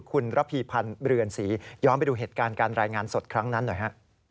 คุณระพีพันธ์เรือนศรีย้อนไปดูเหตุการณ์การรายงานสดครั้งนั้นหน่อยฮะ